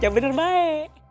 jangan cemburu mawe